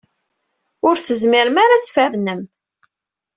Ur tezmirem ara ad tfernem.